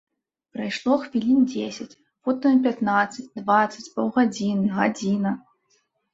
Прайшло хвілін дзесяць, потым і пятнаццаць, дваццаць, паўгадзіны, гадзіна.